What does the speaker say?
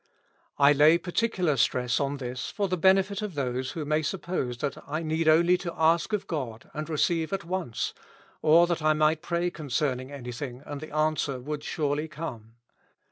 I lay particular stress on this for the benefit of those who may suppose that I need only to ask of God, and receive at once ; or that I might pray concerning anything, and the answer would surely come.